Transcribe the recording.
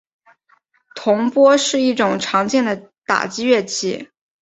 铜钹是一种常见的打击乐器。